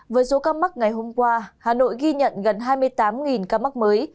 với số các mắc ngày hôm qua hà nội ghi nhận gần hai mươi tám các mắc mới